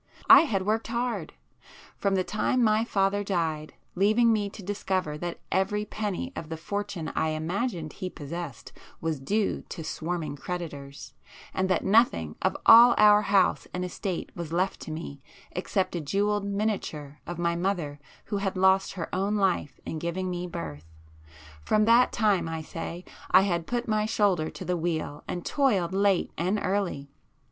I had worked hard. From the time my father died, leaving me to discover that every penny of the fortune I imagined he possessed was due to swarming creditors, and that nothing of all our house and estate was left to me except a jewelled miniature of my mother who had lost her own life in giving me birth,—from that time I say, I had put my shoulder to the wheel and toiled late and early.